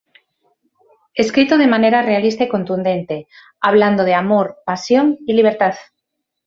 Escrito de manera realista y contundente, hablando de amor, pasión y libertad.